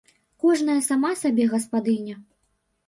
Кожная сама сабе гаспадыня.